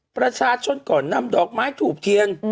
ประชาชนก่อนนำดอกไม้ถูกเทียน